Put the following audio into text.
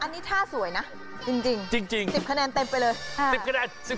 อันนี้ท่าสวยนะจริง๑๐คะแนนเต็มไปเลย